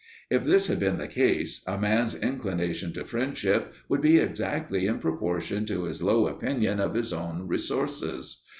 If this had been the case, a man's inclination to friendship would be exactly in proportion to his low opinion of his own resources.